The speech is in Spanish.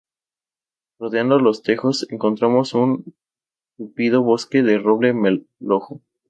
Rodeando los tejos encontramos un tupido bosque de roble melojo.